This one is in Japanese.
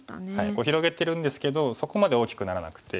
広げてるんですけどそこまで大きくならなくて。